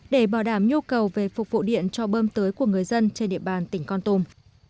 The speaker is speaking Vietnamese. để bảo đảm nhu cầu về phục vụ điện cho bơm tưới của người dân trên địa bàn tỉnh con tum